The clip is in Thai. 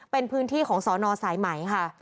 เป็นพื้นที่ของสอนอสายไหมค่ะ